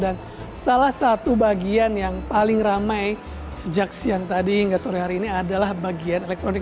salah satu bagian yang paling ramai sejak siang tadi hingga sore hari ini adalah bagian elektronik